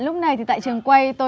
lúc này tại trường quay